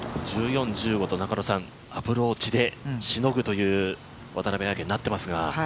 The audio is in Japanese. １４、１５と中野さん、アプローチでしのぐという渡邉彩香になってますが。